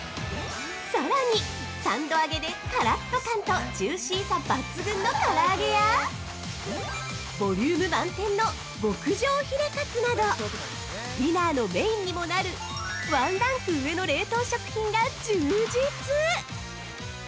◆さらに３度揚げでカラッと感とジューシーさ抜群のから揚げやボリューム満点の極上ヒレカツなどディナーのメインにもなるワンランク上の冷凍食品が充実！